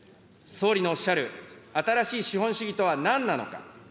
総理のおっしゃる新しい資本主義とはなんなのか。